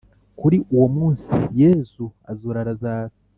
kuri uwo munsi Yezu azura razaro